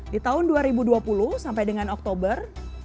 di tahun dua ribu dua puluh sampai dengan oktober